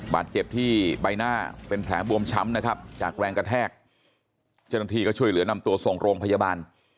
บาดเจ็บที่ใบหน้าเป็นแผลบวมช้ำนะครับจากแรงกระแทกเจ้าหน้าที่ก็ช่วยเหลือนำตัวส่งโรงพยาบาล